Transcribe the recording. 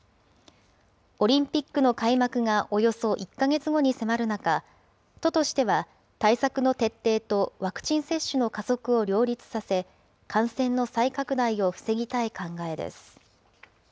オリンピックの開幕がおよそ１か月後に迫る中、都としては対策の徹底と、ワクチン接種の加速を両立させ、感染の再拡大を防ぎたい考えです。